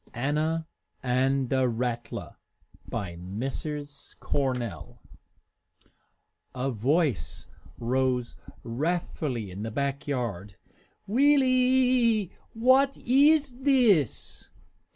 ANNA AND THE RATTLER By Mrs. Cornell A voice rose wrathfully in the back yard, "Wee lie! What iss this?